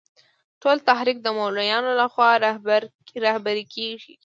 ټول تحریک د مولویانو له خوا رهبري کېږي.